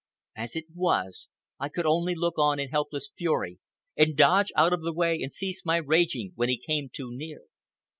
As it was, I could only look on in helpless fury, and dodge out of the way and cease my raging when he came too near.